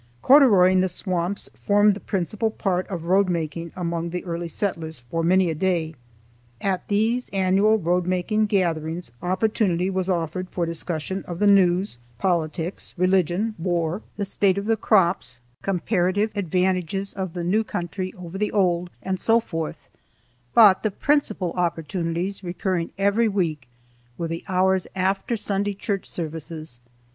Corduroying the swamps formed the principal part of road making among the early settlers for many a day. At these annual road making gatherings opportunity was offered for discussion of the news, politics, religion, war, the state of the crops, comparative advantages of the new country over the old, and so forth, but the principal opportunities, recurring every week, were the hours after Sunday church services.